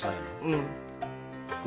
うん。